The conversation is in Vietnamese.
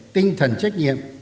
tinh thần trách nhiệm